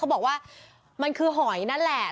บอกว่ามันคือหอยนั่นแหละ